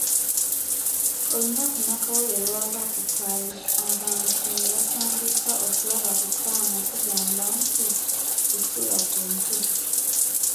Olunaku Nakawere lw’ava ku kaali abantu ne batandika okulaba ku kaana tugamba nti kusula ku Ntujjo.